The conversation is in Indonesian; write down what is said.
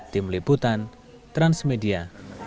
tim liputan transmedia